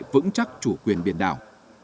vững chắc chủ quyền biển đảo